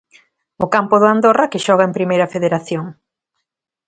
O campo do Andorra que xoga en Primeira Federación.